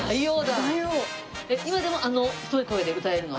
今でもあの太い声で歌えるの？